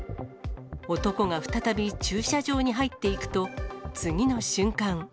男が再び駐車場に入っていくと、次の瞬間。